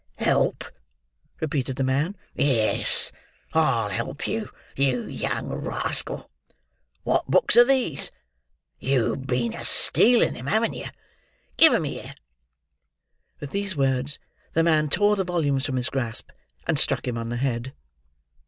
"Help!" repeated the man. "Yes; I'll help you, you young rascal! What books are these? You've been a stealing 'em, have you? Give 'em here." With these words, the man tore the volumes from his grasp, and struck him on the head.